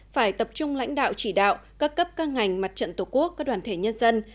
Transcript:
phải tập trung lãnh đạo chỉ đạo các cấp các ngành mặt trận tổ quốc các đoàn thể nhân dân